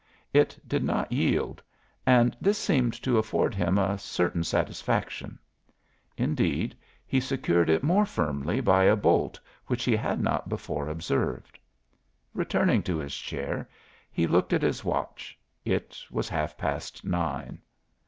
It did not yield and this seemed to afford him a certain satisfaction; indeed, he secured it more firmly by a bolt which he had not before observed. Returning to his chair, he looked at his watch; it was half past nine.